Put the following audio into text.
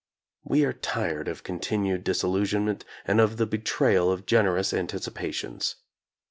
We are tired of continued disillusionment, and of the betrayal of generous anticipations.